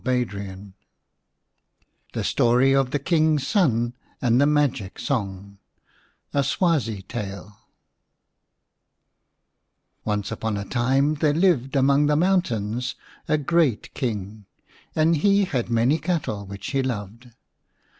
17 II THE STORY OF THE KING'S SON AND THE MAGIC SONG A SWAZI TALE ONCE upon a time there lived among the mountains a great King ; and he had many cattle, which he loved.